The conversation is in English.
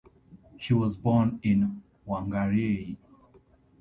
She was born in Whangarei.